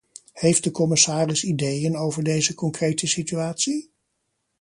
Heeft de commissaris ideeën over deze concrete situatie?